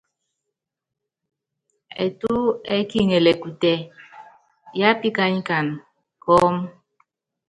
Ɛtú ɛ́kiŋɛlɛ kutɛ, yápíkanyikana kɔ́mú.